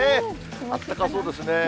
あったかそうですね。